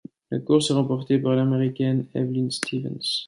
La course est remportée par l'Américaine Evelyn Stevens.